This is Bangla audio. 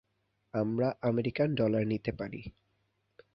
আমরা আমেরিকান ডলার নিতে পারি।